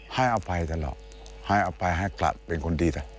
ให้อภัยตลอดให้อภัยให้กลับเป็นคนดีแต่